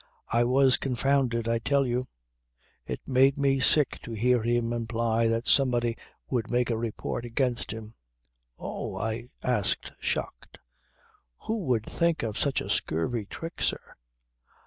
I was confounded I tell you. It made me sick to hear him imply that somebody would make a report against him. "Oh!" I asked shocked, "who would think of such a scurvy trick, sir?"